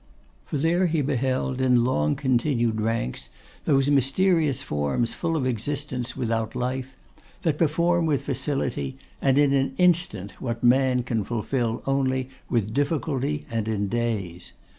For there he beheld, in long continued ranks, those mysterious forms full of existence without life, that perform with facility, and in an instant, what man can fulfil only with difficulty and in days.